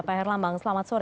pak herlambang selamat sore